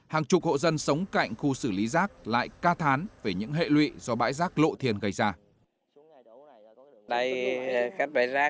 hàng chục hộ dân sống cạnh khu xử lý rác lại ca thán về những hệ lụy do bãi rác lộ thiền gây ra